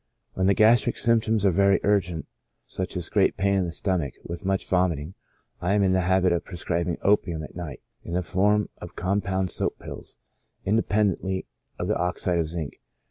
When the gastric symptoms are very urgent, such as great pain in the stomach, with much vomiting, I am in the habit of pre scribing opium at night, in the form of compound soap pills independently of the oxide of zinc.